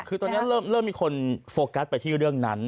คือตอนเนี้ยเริ่มเริ่มมีคนโฟกัสไปที่เรื่องนั้นอ่า